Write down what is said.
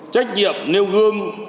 trách nhiệm nêu gương